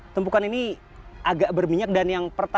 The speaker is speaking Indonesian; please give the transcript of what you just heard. tumpukan ini agak berminyak dan yang pertama